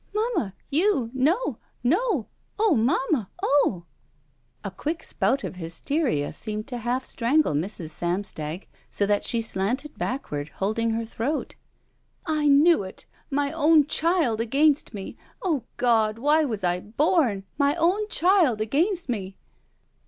'' Mamma — you — No — ^no ! Oh, mamma — oh —!'' A qtiick spout of hysteria seemed to half strangle Mrs. Samstag so that she slanted backward, holding her throat. "I knew it. My own child against me. O God! Why was I bom? My own child against me!"